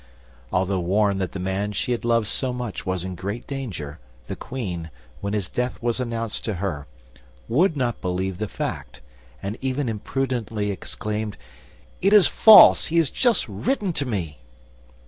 Although warned that the man she had loved so much was in great danger, the queen, when his death was announced to her, would not believe the fact, and even imprudently exclaimed, "it is false; he has just written to me!"